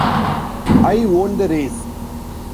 I won the race.